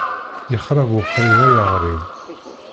Yexreb wexrib ay aɣrib.